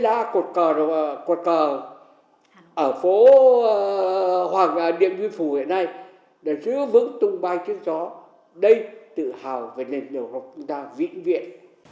và cũng tính ngày hôm đó lá quốc kỳ của việt nam dân chủ cộng hòa được vĩnh viễn trên lá cột cờ ở phố hoàng điện duy phủ hiện nay để giữ vững tung bay trên gió đây tự hào về nền lực của chúng ta vĩnh viễn